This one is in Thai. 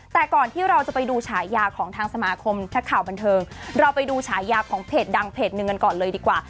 แต่ก่อนที่เราจะไปดูฉายาของทางสมาคมนักข่าวบันเทิงเราไปดูฉายาของเพจดังเพจหนึ่งกันก่อนเลยดีกว่า